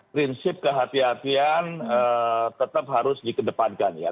prinsip kehatian tetap harus dikedepankan ya